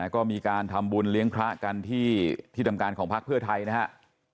ก็มีการทำบุญเลี้ยงพระกันที่ทำการของพักเพื่อไทยนะครับ